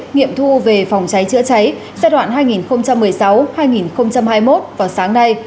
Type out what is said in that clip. nghiệm thu về phòng cháy chữa cháy giai đoạn hai nghìn một mươi sáu hai nghìn hai mươi một vào sáng nay